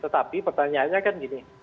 tetapi pertanyaannya kan gini